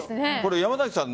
山崎さん